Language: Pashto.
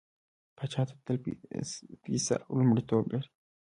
پاچا ته تل پيسه لومړيتوب لري.